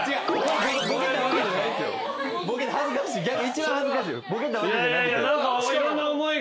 一番恥ずかしい。